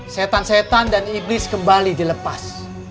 setan setan dan iblis kembali dilepas